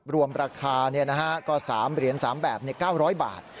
รวมราคาก็๓เหรียญ๓แบบใน๙๐๐บาท